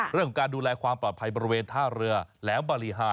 เรื่องการดูแลความปลาภัยบริเวณท่าเรือและบริฐฐา